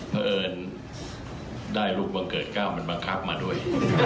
เพราะเอิญได้ลูกบังเกิดก้าวมันบังคับมาด้วย